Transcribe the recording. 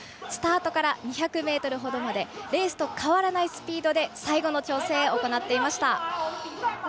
スタートから２００ｍほどまでレースと変わらないスピードで最後の調整を行っていました。